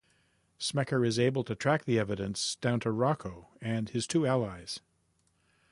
Smecker is able to track the evidence down to Rocco and his two allies.